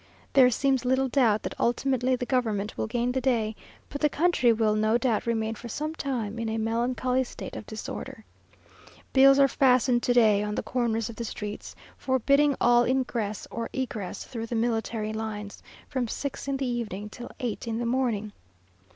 There seems little doubt that ultimately the government will gain the day, but the country will no doubt remain for some time in a melancholy state of disorder. Bills are fastened to day on the corners of the streets, forbidding all ingress or egress through the military lines, from six in the evening till eight in the morning.